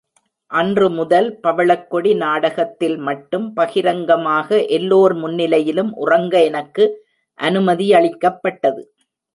அன்று முதல் பவளக்கொடி நாடகத்தில் மட்டும் பகிரங்கமாக எல்லோர் முன்னிலையிலும் உறங்க எனக்கு அனுமதி யளிக்கப்பட்டது.